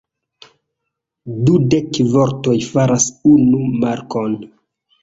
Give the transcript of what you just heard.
Dudek vortoj faras unu markon.